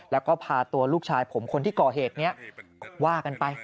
แล้วก็พาตัวลูกชายผมคนที่ก่อเหตุนี้ว่ากันไป